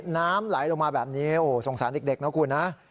น้ำไหลลงมาแบบนี้โอ้โหสงสารเด็กนะคุณนะ